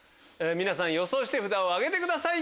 皆さん予想して札を挙げてください